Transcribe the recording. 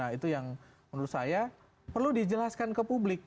nah itu yang menurut saya perlu dijelaskan ke publik